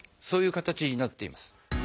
そういう形になっています。